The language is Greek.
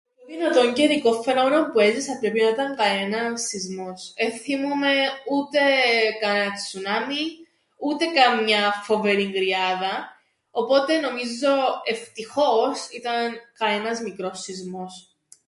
Το πιο δυνατόν καιρικόν φαινόμενον που έζησα πρέπει να 'ταν κανένας σεισμός, εν θθυμούμαι ούτε κανέναν τσουνάμιν ούτε καμιάν φοβερήν κρυάδαν οπότε νομίζω ευτυχώς ήταν κανένας μικρός σεισμός.